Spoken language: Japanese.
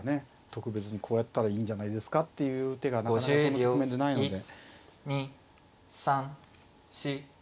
特別にこうやったらいいんじゃないですかっていう手がなかなかこの局面でないので。